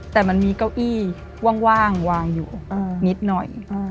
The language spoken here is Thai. แต่มันมีเก้าอี้ว่างวางอยู่นิดหน่อย